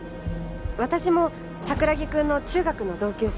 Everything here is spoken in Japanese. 私も桜木くんの中学の同級生で。